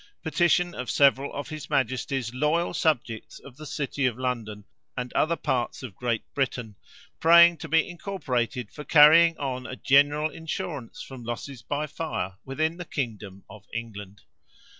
Petition of several of his majesty's loyal subjects of the city of London and other parts of Great Britain, praying to be incorporated for carrying on a general insurance from losses by fire within the kingdom of England.